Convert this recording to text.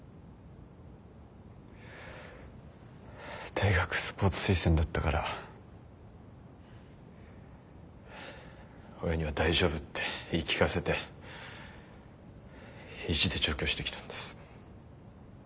大学スポーツ推薦だったから親には大丈夫って言い聞かせて意地で上京してきたんです。